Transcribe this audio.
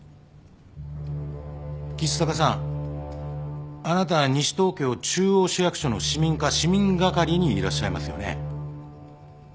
橘高さんあなたは西東京中央市役所の市民課市民係にいらっしゃいますよね。